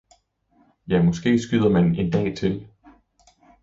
ja, måske skyder man en dag til.